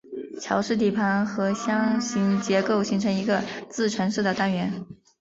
桥式底盘和箱形结构形成一个自承式的单元。